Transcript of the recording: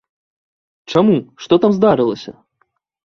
Чаму, што там здарылася?